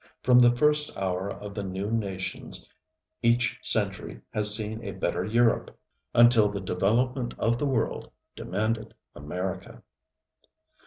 From the first hour of the new nations each century has seen a better Europe, until the development of the world demanded America.